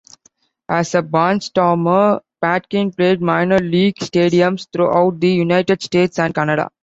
As a barnstormer, Patkin played minor league stadiums throughout the United States and Canada.